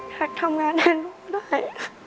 ถักทำงานไม่ได้